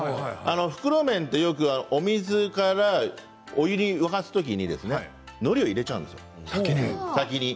袋麺はよくお水から、お湯を沸かす時にのりを入れちゃうんですよ先に。